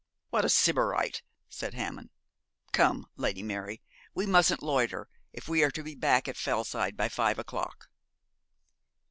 'What a Sybarite,' said Hammond. 'Come, Lady Mary, we mustn't loiter, if we are to be back at Fellside by five o'clock.'